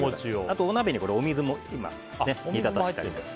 お鍋にお水も煮立たせてあります。